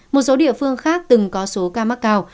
một số địa phương khác từng có số ca mắc cao